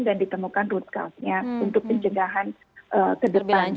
dan ditemukan root cause nya untuk pencegahan ke depan